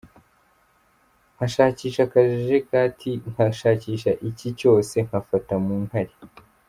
Nkashakisha akajaketi, nkashakakisha iki cyose nkafata mu nkari.